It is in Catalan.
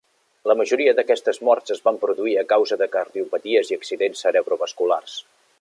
La majoria d'aquestes morts es van produir a causa de cardiopaties i accidents cerebrovasculars.